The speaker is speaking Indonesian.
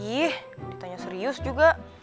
ih ditanya serius juga